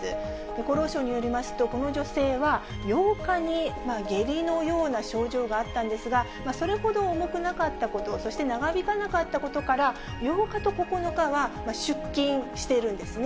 厚労省によりますと、この女性は、８日に下痢のような症状があったんですが、それほど重くなかったこと、そして長引かなかったことから、８日と９日は出勤しているんですね。